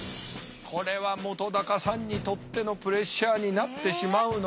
これは本さんにとってのプレッシャーになってしまうのか。